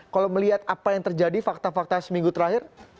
kalau melihat apa yang terjadi fakta fakta seminggu terakhir